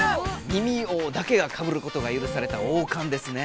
耳王だけがかぶることがゆるされた王冠ですね。